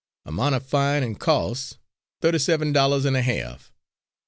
Amount of fine an' costs thirty seven dollars an' a half.